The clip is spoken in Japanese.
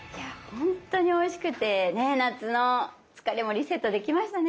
本当においしくてね夏の疲れもリセットできましたね。